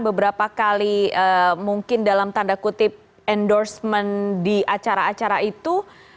beberapa kali mungkin dalam tanda kutip endorsement di acara acara itu